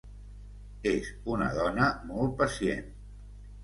És una dona molt pacient.